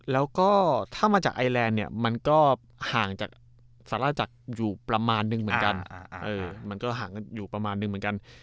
แล้วก็ถ้ามาจากไอแลนด์เนี่ยมันก็ห่างจากสาระจักรอยู่ประมาณนึงเหมือนกัน